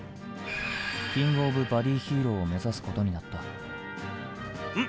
「キングオブバディヒーロー」を目指すことになったん？